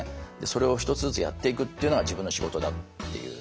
それを１つずつやっていくっていうのが自分の仕事だっていう。